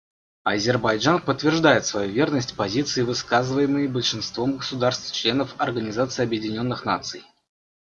Азербайджан подтверждает свою верность позиции, высказываемой большинством государств-членов Организации Объединенных Наций.